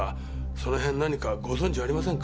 そのへん何かご存じありませんか？